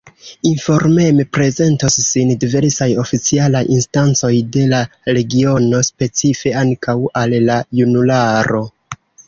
Informeme prezentos sin diversaj oficialaj instancoj de la regiono, specife ankaŭ al la junularo.